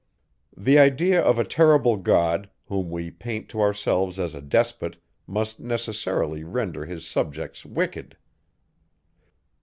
The idea of a terrible God, whom we paint to ourselves as a despot, must necessarily render his subjects wicked.